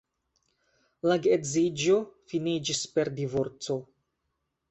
La geedziĝo finiĝis per divorco.